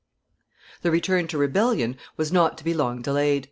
_] The return to rebellion was not to be long delayed.